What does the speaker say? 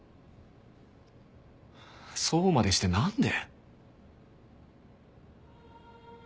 そうまでしてなんで？